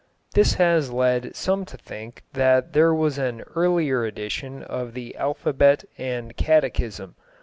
This has led some to think that there was an earlier edition of the Alphabet and Catechism.